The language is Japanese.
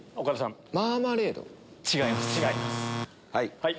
はい。